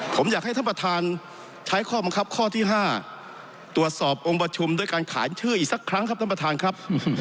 ผมอยากให้ท่านประธานใช้ข้อบังคับข้อที่๕ตรวจสอบองค์ประชุมด้วยการขานชื่ออีกสักครั้งครับท่านประธานครับ